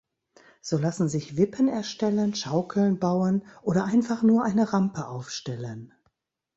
So lassen sich Wippen erstellen, Schaukeln bauen oder einfach nur eine Rampe aufstellen.